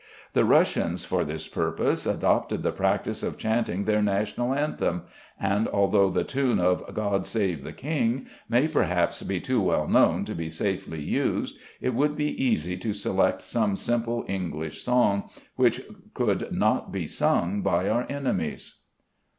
The Russians for this purpose adopted the practice of chanting their National Anthem, and, although the tune of "God save the King" may perhaps be too well known to be safely used, it would be easy to select some simple English song which could not be sung by our enemies.